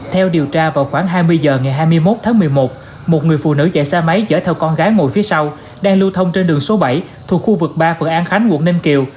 theo điều tra vào khoảng hai mươi h ngày hai mươi một tháng một mươi một một người phụ nữ chạy xe máy chở theo con gái ngồi phía sau đang lưu thông trên đường số bảy thuộc khu vực ba phường an khánh quận ninh kiều